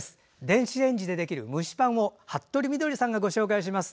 電子レンジでできる蒸しパンを服部みどりさんがご紹介します